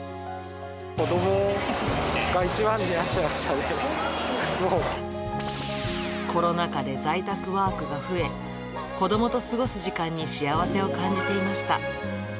子どもが一番になっちゃいまコロナ禍で在宅ワークが増え、子どもと過ごす時間に幸せを感じていました。